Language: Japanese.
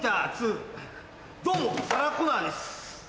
どうもサラ・コナーです。